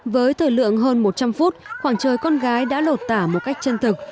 với thời lượng hơn một trăm linh phút khoảng trời con gái đã lột tả một cách chân thực